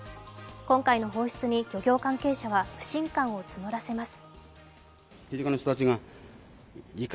今回の放出に漁業関係者は不信感を募らせます